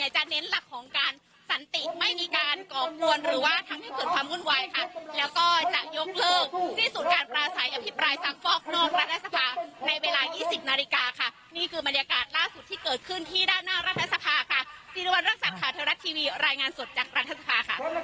จีนวัลเรื่องศักดิ์ข่าวเทวรัฐทีวีรายงานสดจากรัฐธรรมภาค่ะ